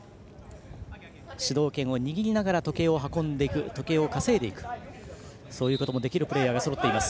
主導権を握りながら時計を稼いでいくそういうこともできるプレーヤーがそろっています。